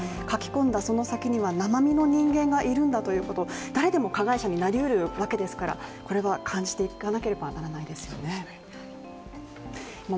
書き込んだその先には生身の人間がいるんだということ、誰でも加害者になりうるわけですからこれは感じていかなければならないですよね。